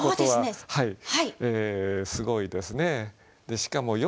はい。